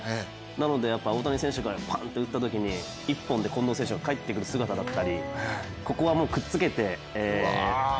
なので、大谷選手がパンと打ったときに一本で近藤選手が帰ってくる姿だったりここはもうくっつけて。